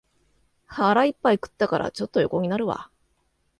腹いっぱい食ったから、ちょっと横になるわ